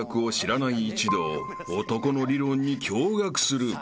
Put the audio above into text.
［男の理論に驚愕する］